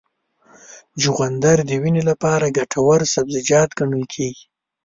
چغندر د وینې لپاره ګټور سبزیجات ګڼل کېږي.